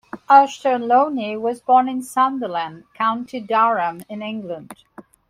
Auchterlonie was born in Sunderland, County Durham in England.